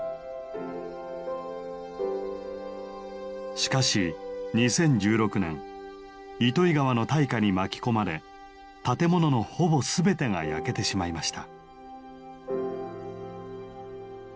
しかし２０１６年糸魚川の大火に巻き込まれ建物のほぼ全てが焼けてしまいました。